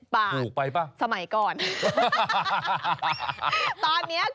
เกาะหละ๗บาทสมัยก่อนถูกเป็นป้า